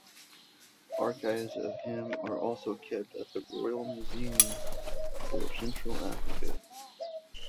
Archives of him are also kept at the Royal Museum for Central Africa.